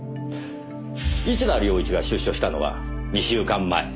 市田亮一が出所したのは２週間前。